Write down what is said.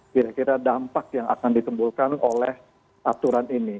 kira kira dampak yang akan ditembulkan oleh aturan ini